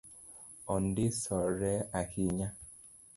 Ondisore ahinya